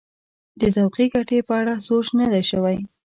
د ذوقي ګټې په اړه سوچ نه دی شوی.